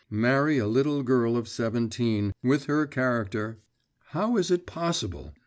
'Marry a little girl of seventeen, with her character, how is it possible?